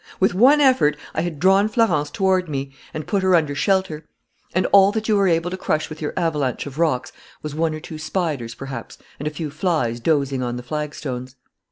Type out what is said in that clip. With one effort, I had drawn Florence toward me and put her under shelter. And all that you were able to crush with your avalanche of rocks was one or two spiders, perhaps, and a few flies dozing on the flagstones.